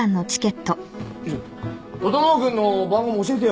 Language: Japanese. ちょっ整君の番号も教えてよ。